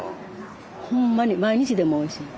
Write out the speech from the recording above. ほんまに毎日でもおいしい。